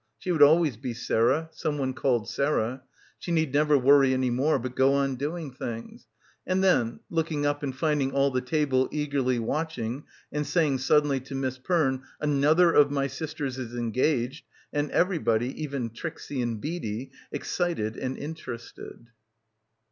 She would always be Sarah, someone called Sarah. She need never worry — 284 — BACKWATER any more, but go on doing things. ... And then looking up and finding all the table eagerly watching and saying suddenly to Miss Perne 'another of my sisters is engaged' and every body, even Trixie and Beadie, excited and inter ested.